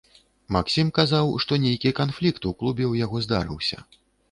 Максім казаў, што нейкі канфлікт у клубе ў яго здарыўся.